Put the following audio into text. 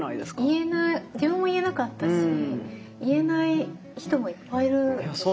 言えない自分も言えなかったし言えない人もいっぱいいるでしょうね。